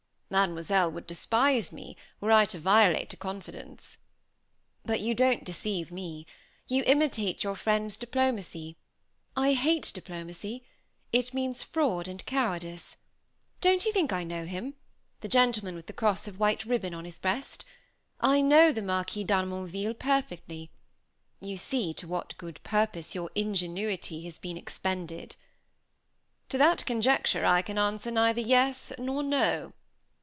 "Mademoiselle would despise me, were I to violate a confidence." "But you don't deceive me. You imitate your friend's diplomacy. I hate diplomacy. It means fraud and cowardice. Don't you think I know him? The gentleman with the cross of white ribbon on his breast? I know the Marquis d'Harmonville perfectly. You see to what good purpose your ingenuity has been expended." "To that conjecture I can answer neither yes nor no."